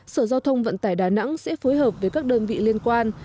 sở giao thông vận tải đà nẵng sẽ phối hợp với các đơn vị liên quan